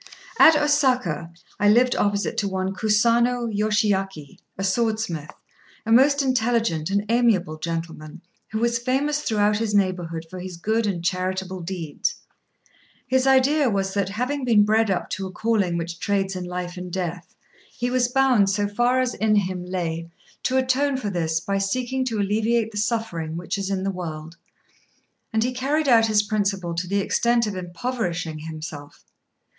At Osaka, I lived opposite to one Kusano Yoshiaki, a swordsmith, a most intelligent and amiable gentleman, who was famous throughout his neighbourhood for his good and charitable deeds. His idea was that, having been bred up to a calling which trades in life and death, he was bound, so far as in him lay, to atone for this by seeking to alleviate the suffering which is in the world; and he carried out his principle to the extent of impoverishing himself.